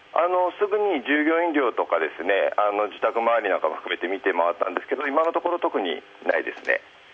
すぐに従業員寮とか自宅周りなんかも含めて見て回ったんですけど、今のところ特にないですね。